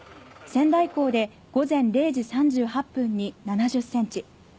仙台港で午前０時３８分に７０センチ。